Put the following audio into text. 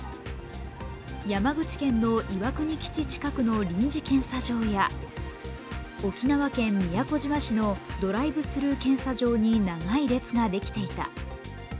山口県の岩国基地近くの臨時検査場や沖縄県宮古島市のドライブスルー検査場に長い例ができていた。